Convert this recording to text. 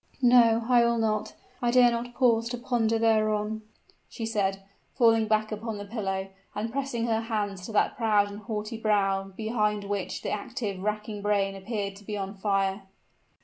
"No, I will not I dare not pause to ponder thereon," she said, falling back upon the pillow, and pressing her hands to that proud and haughty brow behind which the active, racking brain appeared to be on fire.